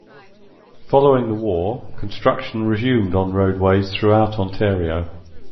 Following the war, construction resumed on roadways throughout Ontario.